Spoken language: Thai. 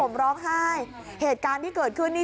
ผมร้องไห้เหตุการณ์ที่เกิดขึ้นนี่